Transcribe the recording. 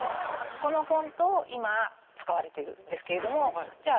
このフォントを今使われているんですけれどもじゃ